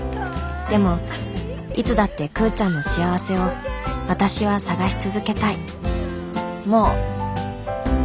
でもいつだってクウちゃんの幸せを私は探し続けたいもう。